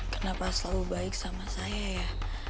kenapa selalu baik sama saya ya